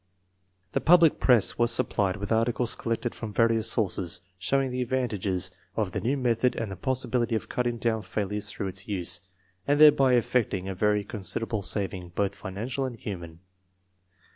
The public press was supplied with articles collected from various sources showing the advantages of the new method and the possibility of cutting down failures through its use, and thereby effecting a very consider able saving, both financial and human.